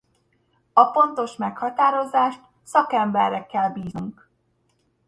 A pontos meghatározást szakemberre kell bíznunk.